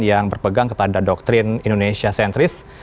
yang berpegang kepada doktrin indonesia sentris